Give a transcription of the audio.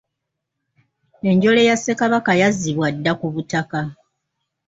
Enjole ya Ssekabaka yazzibwa dda ku butaka.